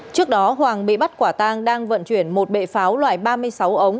trước đó hoàng bị bắt quả tang đang vận chuyển một bệ pháo loại ba mươi sáu ống